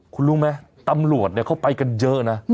คุณรู้ไหมตำรวจเขาไปกันเยอะนะ